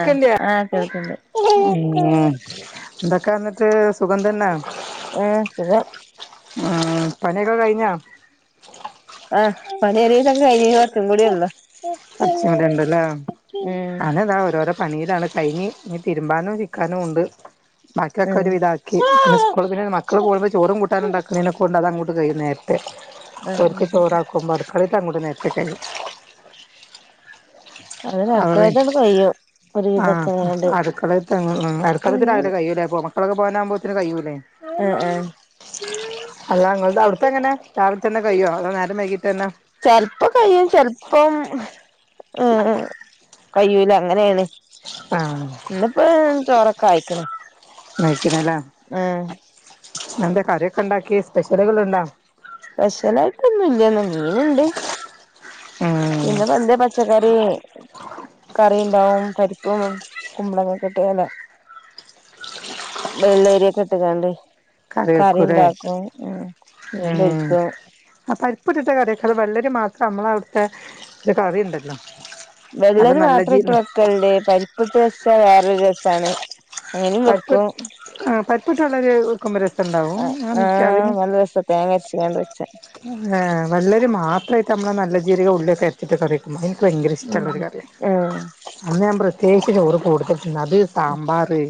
ആഹ് ആഹ് കേൾക്ക്ണ്ട് ഉം എന്തൊക്കെ എന്നിട്ട് സുഗം തന്നാ ആ സുഖം ആ പണിയൊക്കെ കഴിഞ്ഞ ആ പണിയൊരുവിധം കഴിഞ് കൊറച്ചും കൂടിയൊള്ളൂ കൊറച്ചുംകൂടിഇണ്ടല്ലേ ഉം ഞാനിതാ ഓരോരോ പണയിലാണ് കഴിഞ്ഞ് ഇനി തിരുമ്പാനും ചിക്കാനൂണ്ട് ബാക്കിയൊക്കെ ഒരു ആഹ് വിധാക്കി പിന്നെ സ്കൂളിൽ പിന്നെ മക്കൾ പോകുമ്പോ ചോറും കൂട്ടാനുണ്ടാക്കുന്നതിനെ കൊണ്ട് അത് അങ്ങോട്ട് കഴിയും നേരത്തെ ഓർക്ക് ചോറാക്കുമ്പോൾ അടുക്കളേത്ത അങ്ങോട്ട് നേരത്തെ കഴിയും അതന്നെ അടുക്കളേതാട് കയ്യും ആ അടുക്കളേത്ത അങ്ങോ ഉം അടുക്കളത് രാവിലെ കയ്യൂലെ അപ്പൊ മക്ക ക്കളക്ക പോവാനാമ്പോത്തിന് കയ്യൂല്ലേ അല്ലാ ഇങ്ങളുടെ അവിടുത്തെ എങ്ങനെ രാവിൽതന്ന കയ്യോ അതോ നേരം വൈകീട്ടന്ന ആ കയ്യൂല അങ്ങനേണ് ആഹ് ഇന്നിപ്പോ ചോറൊക്കെ ആയിക്ക്ണ് കഴിക്കണല്ലേ ആ എന്താ കറിയൊക്കെ ഉണ്ടാക്കി സ്പെഷ്യലുകളുണ്ട സ്പെഷ്യലായിട്ടൊന്നും ഇല്ലന്നാ മീന്ണ്ട് ഉം പിന്നെ വന്തേ പച്ചക്കറി കറി ഉണ്ടാവും പരിപ്പും കുമ്പളങ്ങ കിട്ടിയല്ലെ വെള്ളേരിയൊക്കെ ഇട്ട്ങ്ങാണ്ട്‌ കറി ഉണ്ടാക്കും ഉം മീൻ പൊരിക്കും പുരുത്തെ [unintelligible] കറിയൊക്ക വെള്ളരി മാത്രം നമ്മള അവിടുത്തെ കറിണ്ടല്ലോ വെള്ളരി മാത്രം ഇട്ട് വെക്കല്ണ്ട് പരിപ്പിട്ട് വച്ച വേറൊരു രസാണ് അങ്ങനെയും പരിപ്പ് വെക്കും ആ പരിപ്പിട്ട് വെള്ളരി വെക്കുമ്പോ രസ ണ്ടാവും ആഹ് നിക്കതിന് നല്ല രസാ തേങ്ങ അരച്ച്കാണ്ട് വെച്ചാ ആ വെള്ളരി മാത്രായിട്ടമ്മള നല്ല ജീരക ഉള്ളിയൊക്ക അരച്ചിട്ട് കറിയിക്കും ഭയങ്കര ഉം ഇഷ്ടമുള്ളോരു കറിയാ ഉം അന്ന് ഞാൻ പ്രത്യേകിച്ച് ചോറ് കൂടുത പിന്നത് സാമ്പാറ്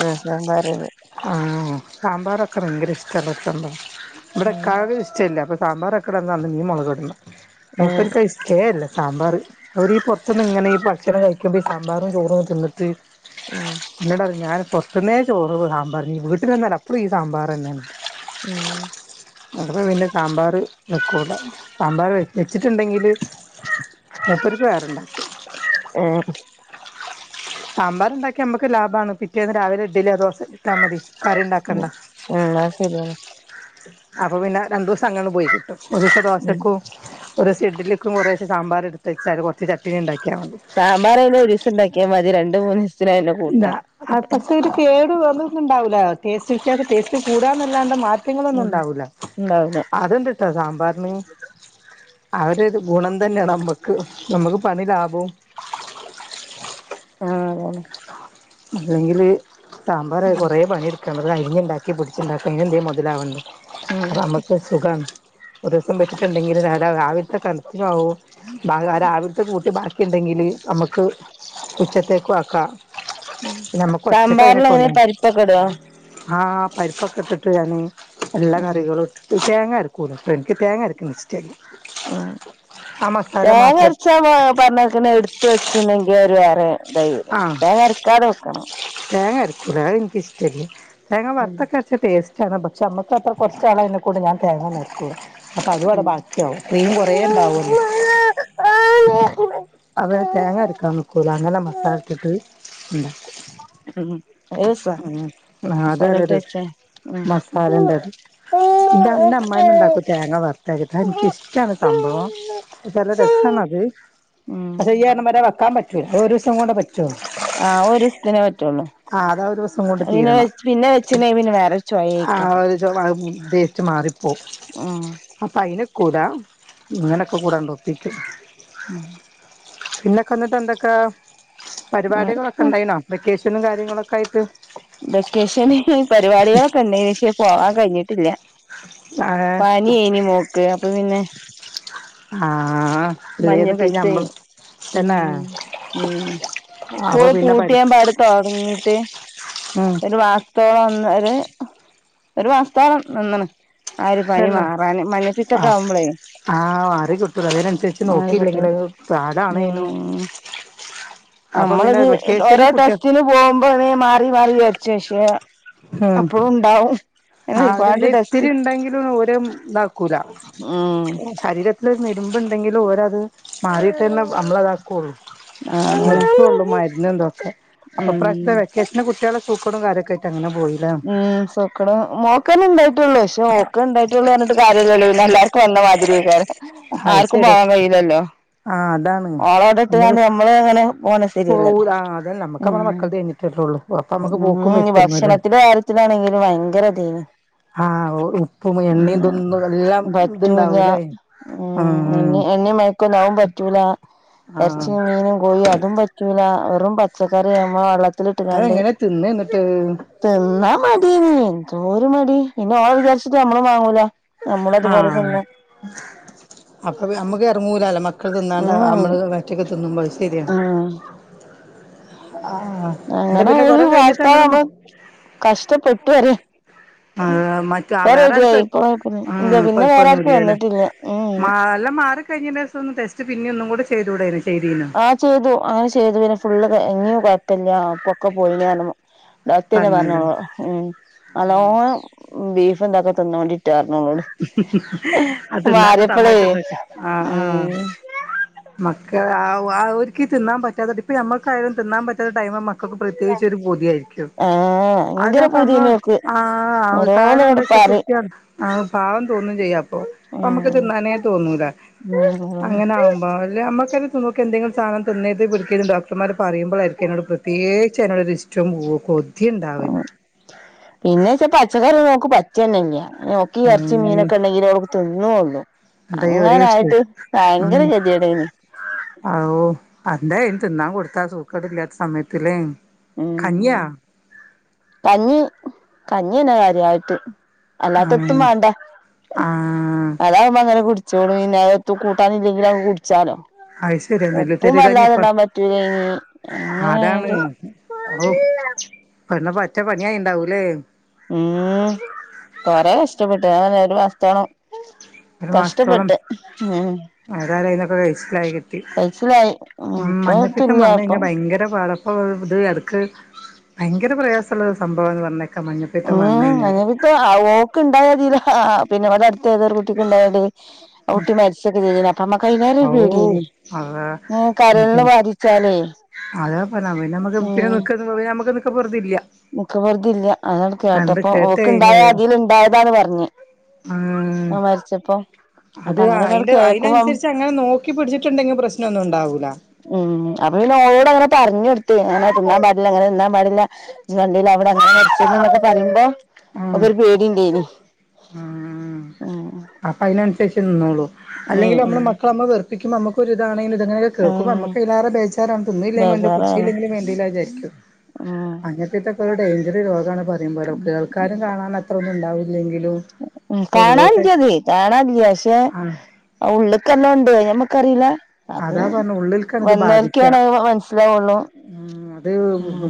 ഉം സാമ്പാറത് ആഹ് സാമ്പാറൊക്കെ ഭയങ്കര ഇഷ്ട്ടൊള്ളൊരു സംഭവ ഇവിടെ ഉം ഇക്കാക്ക് ഇഷ്ട്ടില്ല [unintelligible] ഞ്ഞും മൊളക് ഇടണം ഉം മുപ്പർക്ക അത് ഷ്ട്ടേല്ല സാമ്പാർ അവരീ പൊറ്ത്ത്ന്ന്ങ്ങനെ ഈ ഭക്ഷണം കഴിക്കുമ്പോ ഈ സാമ്പാറും ചോറും തിന്നിട്ട് അ ന്നോട് പറയും ഞാൻ പൊറത്ത്ന്നേ ചോറും സാമ്പാറും ഞ്ഞി വീട്ടില് വെന്നാലും എപ്പളും ഈ സാമ്പാറെന്നെ ആ ഞമ്മള് പിന്നെ സാമ്പാർ വെക്കൂല സാമ്പാർ വെച്ചെച്ച്ട്ട്ണ്ടെങ്കിൽ മൂപ്പര്ക്ക് വേറെ ണ്ടാക്കും എ സാമ്പാർ ണ്ടാക്ക്യ നമ്മക്ക് ലാഭാണ് പിറ്റേന്ന് രാവിലെ ഇഡ്ഡല്യോ ദോശ ട്ടാ മതി കറി ണ്ടാക്കണ്ട ഉം ഉം അത് ശരിയാണ് അപ്പൊ പിന്നെ രണ്ടുസ് ങ്ങന പോയി കിട്ടും ഒരൂസം ഉം ദോശക്കും ഒരൂസം ഇഡ്ഡ്ലിക്കും കുറേശെ സാമ്പാർ ഇട്ത്ത് വെച്ചാൽ കൊറച്ച് സാമ്പാർ അയിന് ഒരീസം ണ്ടാക്ക്യ മതി രണ്ട് മൂന്നീസം ഇല്ല പക്ഷെ ഇത് കേട് വ തൊന്നുണ്ടാവൂല [unintelligible] ടേസ്റ്റ് കൂടാന്നല്ലാണ്ട് മാ റ്റങ്ങളൊന്നും ഉം ഉണ്ടാവൂല്ല ഉണ്ടാവൂല അത്ണ്ട്ട്ടോ സാമ്പാറിന് അഒരിത് ഗുണം തന്നെണ് നമ്മക്ക് നമ്മക്ക് പണി ലാഭവും ആ അതെ അല്ലെങ്കിൽ സാമ്പാർ കൊറെ പണിടുക്കണം അരിഞ്ഞുണ്ടാക്കി പിടിച്ചുണ്ടാക്ക അയിനെന്തേലും മൊതലാവണ്ടെ ഉം നമ്മക്ക് സുഖാണ് ഒരു ദിവസം വെച്ചിണ്ടെങ്കിൽ രാവിൽത്തെ ക [unintelligible] ണ്ടെങ്കിൽ നമ്മക്ക് ഉച്ചത്തേക്കു ആക്കാ നമ്മക്ക് ഒറ്റ സാമ്പാറിലങ്ങനെ [unintelligible] പരിപ്പൊക്കെ ഇടോ ആ പരിപ്പൊക്കെട്ട്ട്ട് ട്ട് ഞാന് എല്ലാ ഉം കറികളും ഇട്ട് തേങ്ങ അരക്കൂല ൻക്ക് തേങ്ങ അരക്ക്ണത് ഇഷ്ടല്ല ആ മസാല തേങ്ങ മാത്രേ അരച്ച [unintelligible] വേ ഇതായി ആ വെരും തേങ്ങ അരക്കാതെ വെക്കണം തേങ്ങ അത് ഇൻക്ക് ഇഷ്ടല്ല തേങ്ങ ഉം വർത്തൊക്കരച്ചാ ടേസ് [unintelligible] പക്ഷെ നമ്മക്കത്ര കൊറ്ച്ചാളായേനക്കൊണ്ട് ഞാൻ തേങ്ങൊന്നും ഇട്ക്കൂല അപ്പൊ അതും അവടെ ഉം ബാക്ക്യാവും ക്രീം കൊറെ ണ്ടാവല്ലോ അതെ തേങ്ങരക്കാൻ നിക്കൂല അങ്ങനെ മസാല ഇട്ട്ട്ട് ണ്ടാക്കും ഉം ഏസാ ഉം അത് നല്ല മസാലട്ട് രസ വെച്ചേ ഉം മസാലന്റത് ന്റെ അമ്മായിമ്മ ഇണ്ടാക്കും തേങ്ങ വറുത്തരച്ചിട്ട് അത് ഇൻക്കിഷ്ടാണ് സംഭവം പക്ഷെ നല്ല രസാണത് ഉം അത് യ്യ് പറഞ്ഞ പോലെ വെക്കാൻ പറ്റൂ ഒരു ദിവസം കൊണ്ട് [unintelligible] ആ ഒരുസ്ത്തിനേ പറ്റൊള്ളൂ ആഹ് അത് ഒരു ദിവസം കൊണ്ട് അ പിന്നെ തീരണം പിന്നെ വെച്ചിണ്ടെങ്കി പിന്നെ വേറൊരു ആഹ് ചൊയയ്ക്കാരം ഒരു ചൊ ടേസ്റ്റ് മാറിപ്പോം അപ്പോ അയിന് ക്കൂല ഇങ്ങനൊക്കെക്കൂടെ അണ്ട് ഒപ്പിക്കും ഉം പിന്നൊക്കെ ന്നിട്ട് എന്തൊക്കെ പരിപാടികളൊക്കെണ്ടായിനോ വെക്കേഷനും കാര്യങ്ങളൊക്കായിട്ട് വെക്കേഷൻ ഈ പരിപാടികളൊക്കെ ഇൻണ്ടേയ്ന് പോവാൻ കഴിഞ്ഞിട്ടില്ല ആഹ് പനിയേയ്ന്ന് മോക്ക് അപ്പൊ പിന്നെ ആ എല്ലെതും കഴിഞ് മഞ്ഞപ്പിത്തേം ഞമ്മൾ ഉം ഉം അപ്പൊ സ്കൂള് പിന്നെ പരി പൂട്ടിയേമ്പാട് തൊടങ്ങിട്ട് ഉം ഒരു മാസത്തോളം ഒന്ന് ഒരു ഒരു മാസത്തോളം നിന്ന്ണ് ആ ഒരു പനി തന്നെ മാറാന് ആ മഞ്ഞപ്പിത്തൊക്കാവുമ്പളെ ആ മാറി കിട്ടൂല അതിനനുസരിച്ച് നോക്കിയില്ലെങ്കിൽ മാറികിട്ടാൻ അത് പാടാണേനു ഉം അപ്പൊ പിന്നെ നമ്മളിത് വെക്കേഷന് ഓരോ കുട്ടികൾ ടെസ്റ്റിന് പോകുമ്പോ മാറി മാറി ജാര്ച്ചും പക്ഷെ അപ്പളുണ്ടാവും ആ അവര്ന്തെ ഇത്തിരിണ്ടെങ്കിലും ഓര് ഇതാക്കൂല ഉം ശരീര ത്തില് ഒരു നെടുമ്പ്ണ്ടെങ്കിലും ഓരത് മാറിട്ടെന്നെ നമ്മളതാക്കൊള്ളു അങ്ങനെ നിർത്തൊള്ളൂ മരുന്നും തൊക്കെ അപ്പൊ ഉം ഇപ്രാവശ്യത്തെ വെക്കേഷന് കുട്ട്യാള് സൂ അങ്ങട്ട് എങ്ങനെ പോയി ഉം സൊക്കട് മോക്കന്നെ ഉണ്ടായിട്ടുള്ളൂ പക്ഷേ ഓക്ക് ഉണ്ടായിട്ടുള്ളു പറഞ്ഞിട്ട് കാര്യല്ലല്ലോ എല്ലാർക്കും വന്ന മാതിരിയെയ്ക്കാരം അത് ആർക്കും ശരി പോവാൻ കഴിയില്ലല്ലോ ആ അതാണ് ഓളെ ഇവടെ ഇട്ട്ക്കാണ്ട് നമ്മള്ങ്ങന പോവും ആ അതന്നെ നമ്മുക്ക് നമ്മടെ ഉം മക്കളതത് ഞ്ഞിട്ടൊള്ളു അപ്പൊ നമ്മുക്ക് പോ ഉം ഭക്ഷണത്തിന്റെ കാര്യത്തിലാണെങ്കിൽ ഭയങ്കര ഇതേനി ആഹ് ഉപ്പും എണ്ണയും ഇതൊന്നും എല്ലാം പറ്റൂല ഇത്ണ്ടാവും ല്ലേ ഉം എണിം എണ്ണീ മയക്കൊന്നും അതും പറ്റൂല ആഹ് ഇറച്ചിം മീനും കോയി അതും പറ്റൂ ല വെറും പച്ചക്കറിയമ്മളെ വള അതെങ്ങനെ തിന്ന എന്നിട്ട് തിന്നാ മടിയെയ്നി എന്തോര് മടി പിന്നെ ഓളെ വിചാരിച്ചിട്ട് നമ്മളും വാങ്ങൂല നമ്മളും അതുപോലെ ആഹ് തിന്നും അപ്പൊ നമ്മക്ക് ഇറങ്ങൂലല്ലോ മ മക്കള് തിന്നാണ്ട് ഉം നമ്മള് ഒറ്റക്ക് തിന്നുമ്പോൾ ശരിയാണ് ഉം ആഹ് എന്നിട്ട് അങ്ങനെ പിന്നെ ഒരു കൊറെ കഴിഞ്ഞിട്ട് അങ്ങട് വാസ്തവാണ് കഷ്ടപ്പെട്ടു പറയ മറ്റ ഇപ്പം വേറെ റെഡിയായി ആർക്കും ഇപ്പം കുഴ്പ്പൊന്നൂല്ല ഉം പിന്നെ വേറെ ആർക്കും കൊഴപ്പൊന്നുംല്ലല്ലേ വന്നിട്ടില്ല ഉം ഉം നല്ല മാറി കഴിഞ്ഞയ്ന്റെ ശേഷം ഒന്ന് ടെസ്റ്റ് പിന്ന ഒന്നും കൂടെ ചെയ്തൂടായിരുന്നോ ആഹ് ചെയ്തു അങ്ങനെ ചെയ്തു പിന്നെ ഫുള്ള് ഇഞ് കുഴപ്പല്ല അപ്പൊക്കെ പോയിണ് പറഞ്ഞു ഡോക്ട് തന്നെ പറഞ്ഞു പറഞ്ഞല്ലോ ഓളോട് ഉ നല്ലോണം ബീഫ് ഇതൊക്ക തിന്നേണ്ടി ട്ടൊ പറഞ്ഞു ഓളോട് അത് തിന്നാത്ത മാറിയപ്പളെ സമയത്തൊക്കെ ആഹ് ആഹ് ഉം മക്കൾ ആ അവർക്ക് തിന്നാൻ പറ്റാത്ത ഇപ്പ ഞമ്മക്കായാലും തിന്നാൻ പറ്റാത്ത ടൈമാകുമ്പോ ക്കെ അപ്പം പ്രത്യേകിച്ച് ഒരു പൂതിയായിരിക്കും ആഹ് ഭയങ്കര അതിനപ്പം നമ്മൾ പൂതിയേനു ഓക്ക് ആ ഓരോന്ന് കാരണം എന്താ ഇങ്ങട് വെച്ചാ പറിം കുട്ടിയ ആ തോന്നും ചെയ്യാ അപ്പൊ നമക്ക് ഉം തിന്നനേ തോന്നൂല അങ്ങനെ ഉം ആവുമ്പം അല്ല അമ്മക്കന്നെ നോക്ക എന്ത സാനം തിന്നേര്ത് പിടിക്കരുത് ഡോക്ടർമാർ പറയുമ്പോളായിരിക്കും അ തിനോട് പ്രത്യേകച്ച്അ തിനോട് ഇഷ്ട പോ ഉം പിന്നെ വെച്ചാ പച്ചക്കറി ഒന്നും ഓക്ക് പറ്റുക തന്നെ ഇല്ല ഓക്ക് ഈ ഇറച്ചി ഏഹ് മീനൊക്കെ ഉണ്ടെങ്കി ലെ ഓൾ തിന്നൊള്ളു എന്താ ഒരു അങ്ങനായിട്ട് ഭയങ്കര കേതിയെടെയ്നി ഓ അന്തായി തിന്നാ കൊടുത്താ സൂക്കട് ഇല്ലാത്ത സമയത്തിലെ ഉം കഞ്ഞിയോ കഞ്ഞി കഞ്ഞിന്നെ കാര്യായിട്ട് അല്ലാത്തെ എത്തും ആഹ് വേണ്ട ആഹ് അതാകുമ്പങ്ങനെ കുടു ചോളും അത് പിന്നെ എത്തും കൂട്ടാനില്ലെങ്കിലും കുടിച്ചാലോ അത് ശരിയാ നെല്ലു ഉപ്പും തരി കഞ്ഞി വല്ലാതെ ഇപ്പ ഇടാൻ പറ്റൂലേനി ഇ അങ്ങനെ ആടാണ് [unintelligible] പ പച്ച പണിയായിണ്ടാവും ലെ കഷ്ടപ്പെട്ടു അങ്ങനെ ഒരു മാസത്തോളം കഷ്ടപ്പെട്ട് ഉം ആ കരയിന്നൊക്കെ കഴച്ചിലായി കിട്ടി കഴിച്ചിലായി ഉം ഇപ്പൊ മഞ്ഞപ്പിത്തം തുല്യ വന്നഴിഞ്ഞ ഇപ്പൊ ഭയങ്കര പാട അപ്പോ ഇത് അടുക്ക് ഭയങ്കര പ്രയാസമുള്ള സംഭവംന്ന് പറഞ് കേ ഉം മഞ്ഞപ്പിത്തം ഓക്ക് ഇണ്ടായതീൽ പിന്നെ അവടെ അടുത്ത ഏതൊരു കുട്ടിക്ക് ഇണ്ടായ ഡി [inaudible] ആ കുട്ടി മരിച്ചൊക്കെ ചെയ്ത് അപ്പം അമ്മക്ക് ആയിലാറെ ഔ പേടിയെനി അതാ ഉം കരൾന് ബാധിച്ചാ ലെ അതാ പറഞ്ഞത് അപ്പം പിന്നെ നമ്മക്ക് പിന്നെ നമ്മക്ക് നിക്ക പൊർതിയില്ല നിക്ക പൊർതി ഇല്ല അതാണ്ട് കേട്ടപ്പൊ കേട്ട് ഓക്ക് കഴിഞ്ഞ് ഇണ്ടായ അതിൽ ഇണ്ടായതാണ് പറഞ് ആ ആ മരിച്ചപ്പോ അപ്പൊ അത് അങ്ങനെയൊക്കെ അതിന്റെ കേൾക്കുമ്പോ അതിനനുസരിച്ച് അങ്ങനെ നോക്കി പിടിച്ചിട്ടുണ്ടെങ്കിൽ പ്രശ്നം ഒന്നും ഉണ്ടാവൂല ഉം അപ്പൊ പിന്നെ ഓളോട് അങ്ങനെ പ പറഞ് കൊടുത്തു അങ്ങനെ തിന്നാൻ പാടില്ല ഇങ്ങനെ തിന്നാൻ പാടില്ല ഇജ് കണ്ടിലെ അവിടെ അങ്ങനെ മരിച്ചത് അങ്ങനെ പറയുമ്പോ ആഹ് ഓക്കൊരു പേടി ഇന്ടെനി ആഹ് അപ്പൊ അയ്നനുസരിച്ച് നിന്നോള്ളൂ ഉം അല്ലെങ്കിലും ഉം നമ്മളേമക്കളെ നമ്മ വെറുപ്പിക്കുമ്പോ നമ്മക്കും ഒരു ഇതാണല്ലൊ ഇതങ്ങനൊക്കെ കേൾക്കുമ്പോ ഉം നമ്മക്ക് അതിലേറെ ബേജാറാണ് തിന്നീലെലുമാണ്ടില്ല ബേജാറാണ് കുടിച്ചിലേലുമാണ്ടില്ല വിചാരിക്കും ഉം അങ്ങനതൊക്കെ ഒരു ഡൈൻജർ രോഗാണ് പറയുമ്പോലെ കേൾക്കാനും കാണാനും അത്രന്നുണ്ടാവില്ല ഉം കാണാനില്ലത് കാണാനില്ല പക്ഷേ, ആ ഉള്ള്ക്ക് നല്ലോണ്ട് ഞ നമുക്കറിയില്ല അത് അതാ പറഞ്ഞെ ഉള്ളിൽക്കാണ് വന്നോല്ക്ക് അ മനസ്സിലാവുള്ളു ഉം അത്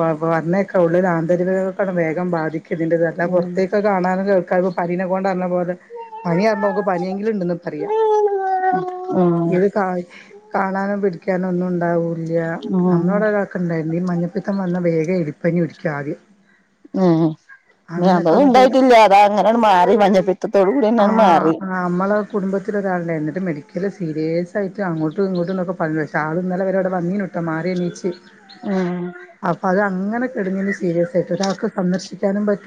പറ് പറഞ്ഞയ് ക്കുള്ളിലേക്ക് ആന്തരികകൾക്കാണ് വേഗം ബാധിക്കതിന്റേത് അല്ലാതെ ഉം പൊറത്തേക്കത് കാണാനും കേൾക്കാനും പ്പം പനിനെക്കൊണ്ട് പറഞ്ഞപോലെ പനിയാകുമ്പോ നമ്മക്ക് പന്യെങ്കിലുണ്ടെന്ന് പറയാ. ഉം ഇത് കായ് കാണാനോ പിടിക്കാനോ ഒന്നുണ്ടാവുല്ല്യ ഉം ഉം നമ്മളവിടെ ഒരാക്ക ഇണ്ടായിനി വ മഞ്ഞപ്പിത്തം വന്ന വേഗം എലിപ്പനി പിടിക്കും ആദ്യം ഏ ഞ അങ്ങനെയൊക്കെ അതൊന്നും വന്നിട്ട് ഉണ്ടായിട്ടില്ല അതാ അങ്ങനെങ്ങട് മാറി മഞ്ഞപ്പിത്തത്തോട് കൂടിയെങ്ങട് മാറി. [unintelligible] മെഡിക്കൽ സീരേയസ് ആയിട്ട് അങ്ങോട്ടും ഇങ്ങോട്ടുംന്നൊക്കെ പറഞ്ഞ് പക്ഷേ ആൾ ഇന്നലെ വരെ ഇവിടെ വന്നീനുട്ടോ മാറി എണീച്ച്. ഉം അപ്പൊ അത് അങ്ങനെ കെടെന്നിനു സീരിയസ് ആയിട്ട് ഒരാൾക്ക് സന്ദർശിക്കാനും പറ്റു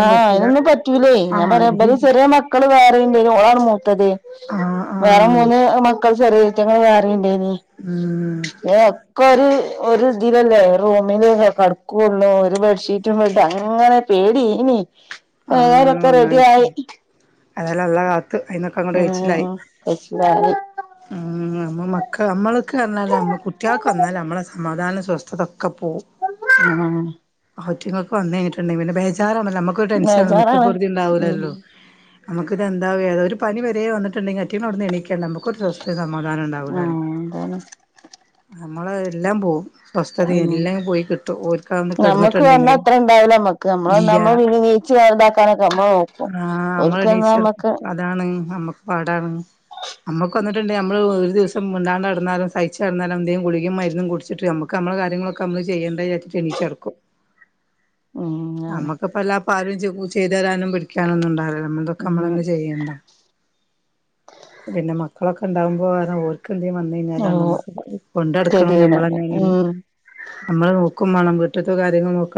ആഹ് അതിനൊന്നും പറ്റൂലേയ് ഞാൻ ആഹ് പറയാ ഇത് ഇബൽ ചെറിയ മക്കള് വേറിണ്ട് ഓളാണ് മൂത്തത്. ആഹ് വേറെ ആഹ് മൂന്ന് മക്കൾ ചെറീറ്റങ്ങൾ വേറി ണ്ട് ഉം ഏ ഓക്കൊരു ഒരു ഇതിലല്ലേ റൂമിലല്ലേ കടക്കോള്ളു ഒരു ബെഡ്ഷീറ്റും ട്ട് അങ്ങനെ പേടിയ്നിം ആ ഒന്നായിറ്റ് അതല്ലല്ല കാലത്ത് അയ് ന്ന് ഉം പ്പശീലായി നമ്മൾ മക്കൾ നമ്മൾക്ക് പറഞ്ഞാൽ നമ്മ കുട്ട്യാൾക്ക് വന്നാൽ നമ്മളെ സമാധാനം സ്വസ്ഥതക്കെ ഓക്കെ പോകും ഉം അയ്റ്റങ്ങൾക്ക് വന്നയിഞ്ഞിട്ടണ്ടെങ്കിൽ പിന്നെ ബേജാറാ നമുക്കൊരു ടെൻഷ ബേജാറാണ് ഉം നിക്കപ്പൊറുതിണ്ടാവുല്ലല്ലോ നമുക്കിത് എന്താ ഏതാ ഒരു പനി വരെ വന്നിട്ടണ്ടെങ്കിൽ അയ്റ്റിങ്ങൾ അവിടെന്ന് എണീക്ക നമുക്കൊരു സ്വസ്ഥതേം സമാധാനം ഉണ്ടാവൂലാല്ലോ ആഹ് അതാണ് നമ്മൾ എല്ലാം പോകും. സ്വസ്ഥതേം ഉം എല്ലാം പോയി കിട്ടും ഓല്ക് ആവന്ന് ഞമ്മക്ക് വന്നാ കെടന്നിട്ട്ണ്ടെങ്കി അത്ര ഇണ്ടാവൂല നമ്മക്ക് നമ്മള് വന്നാ ഇല്ല്യ നമ്മളെ വീട് നീച്ച് ഇതാക്കാനൊക്കെ നമ്മള് നോക്കും ആഹ് ഓൽക്കന്നാ നമ്മളണീച്ച് നമ്മക്ക് അതാണ് നമ്മക്ക് പാടാണ് നമ്മക്ക് വന്നിട്ട്ണ്ടെങ്കി നമ്മള് ഒരു ദിവസം മിണ്ടാണ്ട് നടന്നാലും സഹിച്ച് നടന്നാലും എന്തേലും ഗുളികിം മരുന്നും കുടിച്ചിട്ട് നമ്മക്ക് നമ്മ കാര്യങ്ങളൊക്കെ നമ്മ ചെയ്യേണ്ടെ വിചാരിച്ചിട്ട് എണീച്ചെടുക്കും ഉം ങ്ങനെ ആരും ചെയ്തു തരാനും പിടിക്കാനൊന്നുണ്ടാവില്ലല്ലോ നമ്മളതൊക്കെ ഉം നമ്മളന്നെ ചെയ്യേണ്ടെ പിന്നെ മക്കളൊക്കെ ഉണ്ടകുമ്പോൾ ഓല് ക്കന്തേലും ഓ വന്നായിഞ്ഞാലാണ് നമ്മക്ക് കൊണ്ടടക്കുന്നതും ഗതികേട് ഞമ്മളെന്നാണ് ഉം നമ്മളെ നോക്ക് ക്കുമാണം വീട്ടിത്ത കാര്യങ്ങൾ നോക്ക്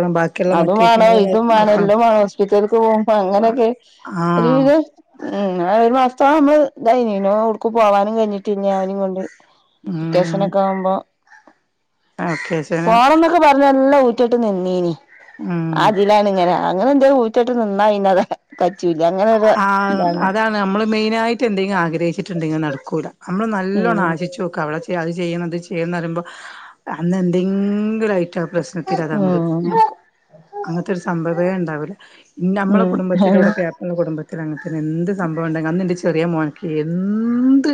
അതും വാണം ഇതും വാണം എല്ലംവാണം ഹോസ്പിറ്റൽക്ക് പോകുമ്പോ അങ്ങനെയൊക്കെ ആഹ് ഒരുവിധം ഉം ഒരു മാസത്തോളം നമ്മളെ ഇതെയ്‌നിം പിന്നെ എവ്ട്ക്കും പോവാനും കഴിഞ്ഞിട്ടില്ല്യ ഓനെ കൊണ്ട് ഉം അത്യാവശനൊക്കെ ആവുമ്പോ വെക്കേഷന് പോണന്നൊക്കെ പറഞ്ഞ് നല്ല ഊറ്റത്തിനിന്നീനി ഉം ആ ഇതിലാണ് ഇങ്ങനെ അങ്ങനെ എന്തേ ഊറ്റായിട്ട്നിന്നാ പിന്നെ അത് കച്ചൂല്ല അങ്ങനൊരു ആഹ് ഇതാണ് അതാണ് നമ്മള് മെയിനായിട്ട് എന്തെങ്കി ആഗ്രഹിച്ചിട്ടുണ്ടെങ്കി അത് നടക്കൂല നമ്മള് നല്ലോണം ഉം ആശിച്ചോക്ക് അവിടെ ചെയ്യ് അത് ചെയ്യ് ചെയ്യ്ന്ന് പറയുമ്പോ അന്ന് എന്തെങ്കിലായിട്ട് ആ പ്രശ്നത്തിൽ അത്ങ്ങോട് ഉം നിക്കും. അങ്ങനത്തെ ഒരു സംഭവേ ഉണ്ടാവൂല ഞമ്മളെ ഉം കുടുംബത്തിൽ ഇവിടെ [unintelligible] കുടുംബത്തിൽ അങ്ങനതന്നെ എന്ത് സംഭവണ്ടങ്കിലും അന്നിന്റെ ചി ചെറിയ മോനിക്ക് എന്ത്,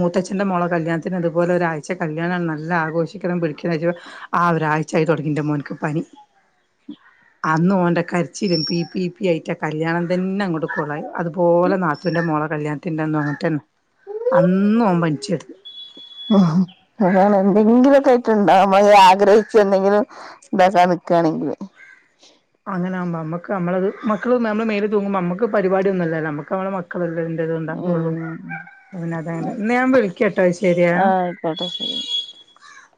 മൂത്തച്ഛന്റെ മോള കല്യാണത്തിന് അതുപോലെ ഒരാഴ്ച്ച കല്യാണാണ് നല്ല ആഘോഷിക്കണം പിടിക്കണം നീച്ചപ്പം ആ ഒരാഴ്ചായി തുടങ്ങിന്റെ മോൻക്ക് പനി. [inaudible] അന്ന് ഓന്റെ കരിച്ചിലും പി പി പി ആയിട്ട് ആ കല്യാണം അതന്നെങ്ങോട്ട് കൊളായി അതുപോലെ നാത്തൂൻന്റെ മോള കല്യാണത്തിന്റെന്നും അങ്ങൻതന്നെ അന്ന് ഓൻ പനിച്ചടന്നു ഉം അതാണ് എന്തെങ്കിലുമൊക്കെ ആയിട്ട്ുണ്ടാവും മ ആഗ്രഹിച്ച എന്തെങ്കിലും ഇതാക്കെ നിക്കുകയാണെങ്കില് അങ്ങനെകുമ്പോ നമ്മക്ക് നമ്മത് മക്കൾ നമ്മള് മേൽ തൂുമ്പോ നമ്മുക്ക് പരിപാടി ഒന്നുംല്ല നമമ്മക്ക് നമ്മെ മക്കളെല്ല ണ്ടാവുള്ളു ഉം അങ്ങ ഇ ഞാൻ വിളിക്കട്ടോ ശരിയാ ആഹ് ആയിക്കോട്ടെ [unintelligible]